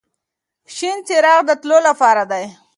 شین څراغ د تلو لپاره دی.